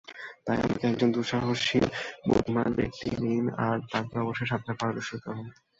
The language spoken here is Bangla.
তাই আমাকে একজন দুঃসাহসী বুদ্ধিমান ব্যক্তি দিন আর তাকে অবশ্যই সাঁতারে পারদর্শী হতে হবে।